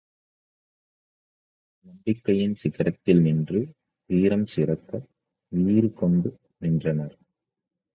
நம்பிக்கையின் சிகரத்தில் நின்று வீரம் சிறக்க வீறு கொண்டு நின்றனர்.